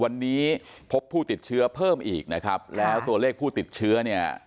วันนี้พบผู้ติดเชื้อเพิ่มอีกนะครับแล้วตัวเลขผู้ติดเชื้อเนี่ย